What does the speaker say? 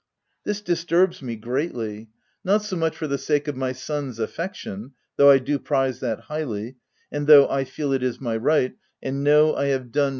This disturbs me greatly ; not so much for the sake of my son's affection (though I do prize that highly, and though I feel it is my right, and know I have done much